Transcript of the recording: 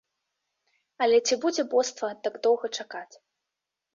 Але ці будзе боства так доўга чакаць?